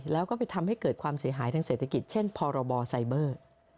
แล้วก็ไปทำให้เกิดความเสียหายทางเศรษฐกิจเช่นพรบไซเบอร์